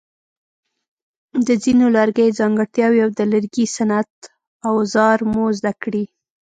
د ځینو لرګیو ځانګړتیاوې او د لرګي صنعت اوزار مو زده کړي.